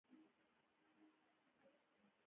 که غواړې هوښیار شې ډېرې خبرې مه کوه.